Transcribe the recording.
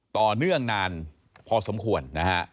ต่อเนื่องนานพอสมควรนะฮะ